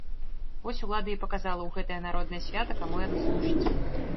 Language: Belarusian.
Вось улада і паказала ў гэтае народнае свята, каму яна служыць.